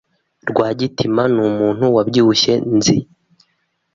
Rwagitima numuntu wabyibushye nzi.